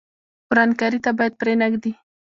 ورانکاري ته به پرې نه ږدي.